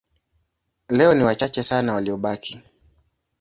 Leo ni wachache sana waliobaki.